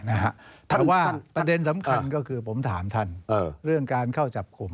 ท่านเพราะว่าประเด็นสำคัญก็คือผมถามท่านเรื่องการเข้าจับคุม